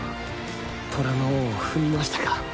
虎の尾を踏みましたか。